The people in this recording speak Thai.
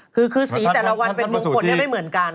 คือสีแต่ละวันเป็นมงคลไม่เหมือนกัน